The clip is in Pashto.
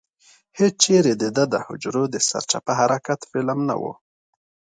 هېچېرې دده د حجرو د سرچپه حرکت فلم نه و.